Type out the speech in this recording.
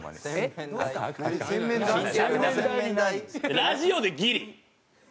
ラジオでギリ！